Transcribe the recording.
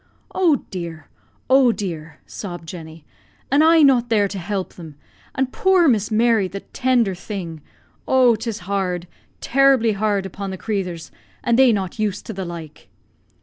"Oh, dear! oh, dear!" sobbed Jenny; "an' I not there to hilp them! An' poor Miss Mary, the tinder thing! Oh, 'tis hard, terribly hard upon the crathurs, an' they not used to the like."